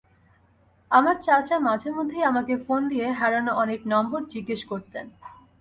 আমার চাচা মাঝেমধ্যেই আমাকে ফোন দিয়ে হারানো অনেক নম্বর জিজ্ঞেস করতেন।